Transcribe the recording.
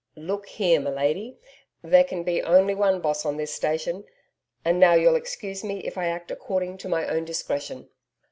'Look here, milady there can be only one boss on this station. And now you'll excuse me if I act according to my own discretion.'